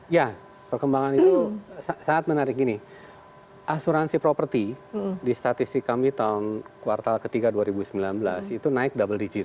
ya perkembangan itu sangat menarik gini asuransi properti di statistik kami tahun kuartal ketiga dua ribu sembilan belas itu naik double digit